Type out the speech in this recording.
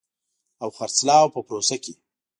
او خرڅلاو په پروسه کې